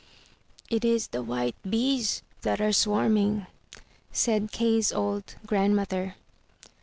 "It is the white bees that are swarming," said Kay's old grandmother.